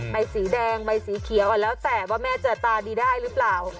ใบสีแดงใบสีเขียวแล้วแต่ว่าแม่จะตาดีได้หรือเปล่า